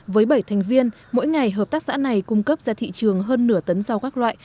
với bảy thành viên mỗi ngày hợp tác xã này cung cấp ra thị trường hơn nửa tấn rau các loại